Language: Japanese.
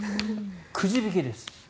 くじ引きです。